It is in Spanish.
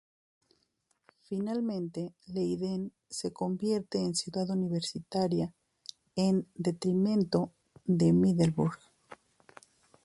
Finalmente, Leiden se convierte en ciudad universitaria en detrimento de Middelburg.